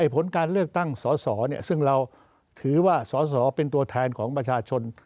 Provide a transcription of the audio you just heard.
ผลการเลือกตั้งสอสอซึ่งเราถือว่าสอสอเป็นตัวแทนของประชาชน